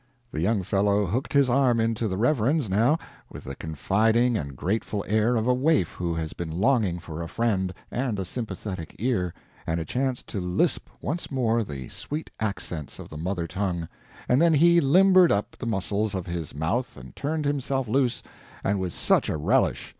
The young fellow hooked his arm into the Reverend's, now, with the confiding and grateful air of a waif who has been longing for a friend, and a sympathetic ear, and a chance to lisp once more the sweet accents of the mother tongue and then he limbered up the muscles of his mouth and turned himself loose and with such a relish!